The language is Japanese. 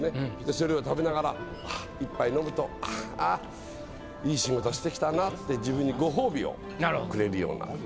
それを食べながら一杯飲むと「あぁいい仕事してきたな」って。をくれるような。